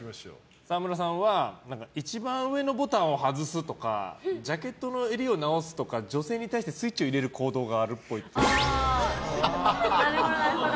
沢村さんは一番上のボタンを外すとかジャケットの襟を直すとか女性に対してスイッチを入れる行動があるっぽい。